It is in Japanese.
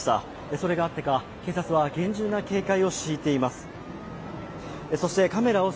それがあってか警察は厳重な警戒を敷いています。